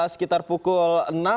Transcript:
sekitar pukul enam